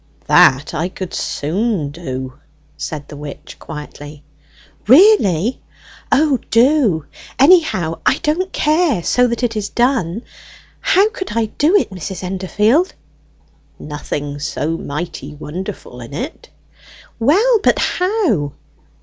"That I could soon do," said the witch quietly. "Really? O, do; anyhow I don't care so that it is done! How could I do it, Mrs. Endorfield?" "Nothing so mighty wonderful in it." "Well, but how?"